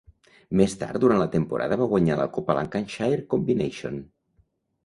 Més tard durant la temporada va guanyar la copa Lancashire Combination.